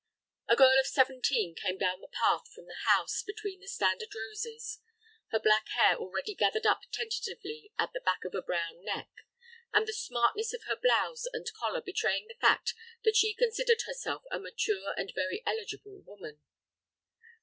A girl of seventeen came down the path from the house, between the standard roses, her black hair already gathered up tentatively at the back of a brown neck, and the smartness of her blouse and collar betraying the fact that she considered herself a mature and very eligible woman.